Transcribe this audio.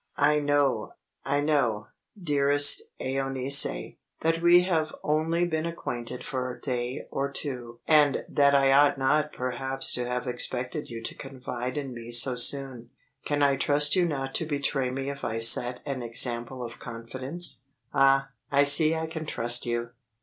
"I know, dearest Euneece, that we have only been acquainted for a day or two and that I ought not perhaps to have expected you to confide in me so soon. Can I trust you not to betray me if I set an example of confidence? Ah, I see I can trust you!